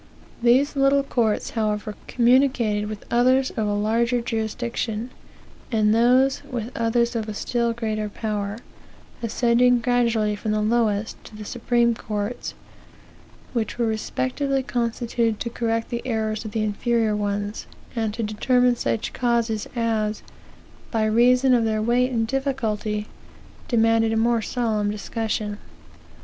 These little courts, however, communicated with others of a larger jurisdiction, and those with others of a still greater power; ascending gradually from the lowest to the supreme courts, which were respectively constituted to correct the errors of the inferior ones, and to determine such causes as, by reason of their weight and difficulty, demanded a more solemn discussion.